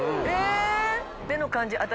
目の感じ